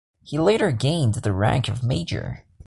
He later gained the rank of Major.